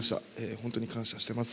本当に感謝しています。